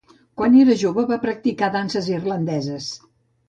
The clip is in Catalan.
Quan era jove va practicar danses irlandeses.